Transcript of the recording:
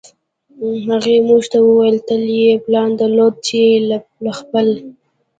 هغې موږ ته وویل تل یې پلان درلود چې له خپل